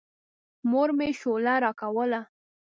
مور مې شوله راکوله.